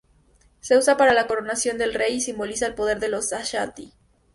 Se usa para la coronación del rey y simboliza el poder de los Ashanti.